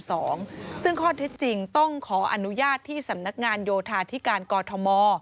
ซึ่งข้อเท็จจริงต้องขออนุญาตที่สำนักงานโยธาธิการกอทม